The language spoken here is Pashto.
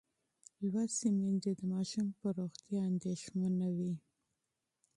لوستې میندې د ماشوم پر روغتیا اندېښمنه وي.